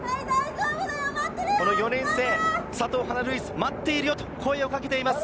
この４年生、佐藤華ルイーズ、待っているよと声をかけています。